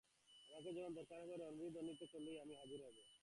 আমাকে যখন দরকার হবে রণভেরী ধ্বনিত করলেই আমি হাজির হব।